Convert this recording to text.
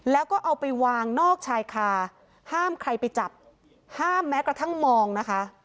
แล้วก็เอาไปวางนอกชายคาห้ามใครไปจับห้ามแม้กระทั่งมองนะคะ